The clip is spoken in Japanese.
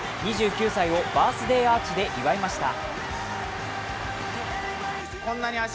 ２９歳をバースデーアーチで祝いました。